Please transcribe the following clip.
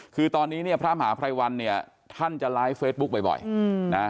คือตอนนี้เนี่ยพระมหาภัยวันเนี่ยท่านจะไลฟ์เฟซบุ๊คบ่อยนะ